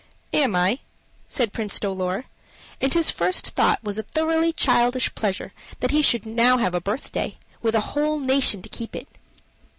"Am I?" said Prince Dolor; and his first thought was a thoroughly childish pleasure that he should now have a birthday, with a whole nation to keep it.